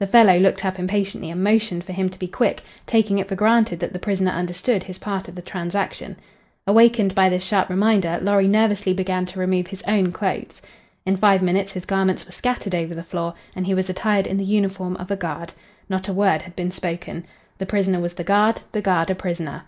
The fellow looked up impatiently and motioned for him to be quick, taking it for granted that the prisoner understood his part of the transaction. Awakened by this sharp reminder, Lorry nervously began to remove his own clothes. In five minutes his garments were scattered over the floor and he was attired in the uniform of a guard. Not a word had been spoken. The prisoner was the guard, the guard a prisoner.